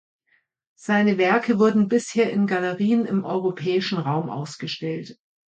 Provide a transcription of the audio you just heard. Seine Werke wurden bisher in Galerien im europäischen Raum ausgestellt.